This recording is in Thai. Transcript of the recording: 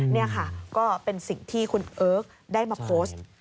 นี่ค่ะก็เป็นสิ่งที่คุณเอิร์กได้มาโพสต์